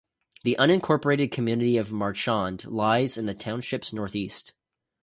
The unincorporated community of Marchand lies in the township's northeast.